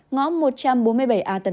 ngõ một trăm bốn mươi bảy a tân mai